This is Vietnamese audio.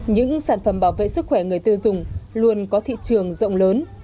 những sản phẩm bảo vệ sức khỏe người tiêu dùng luôn có thị trường rộng lớn